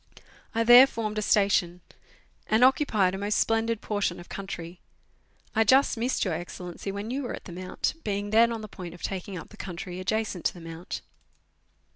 I there formed a station, and occupied a most splendid portion of country. I just missed Your Excellency when you were at the Mount, being then on the point of taking up the country adjacent to the Mount.